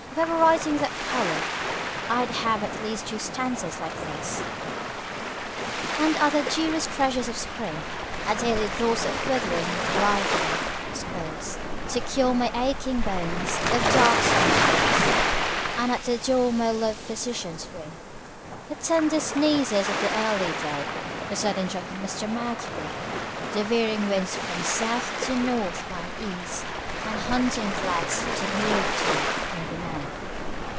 If I were writing that poem I'd have at least two stanzas like this: "And other dearest treasures of spring Are daily draughts of withering, blithering squills, To cure my aching bones of darksome chills; And at the door my loved physician's ring; "The tender sneezes of the early day; The sudden drop of Mr. Mercury; The veering winds from S. to N. by E. And hunting flats to move to in the May.